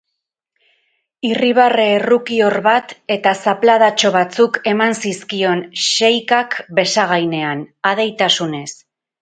Irribarre errukior bat eta zapladatxo batzuk eman zizkion xheikhak besagainean, adeitasunez.